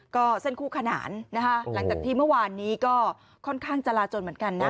ก็เส้นคู่ขนานนะคะหลังจากที่เมื่อวานนี้ก็ค่อนข้างจราจนเหมือนกันนะ